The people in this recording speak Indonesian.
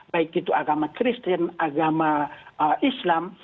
baik itu agama kristen agama islam